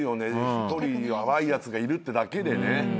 一人ヤバいやつがいるってだけでね。